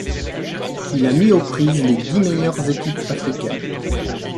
Il a mis aux prises les dix meilleures équipes africaines.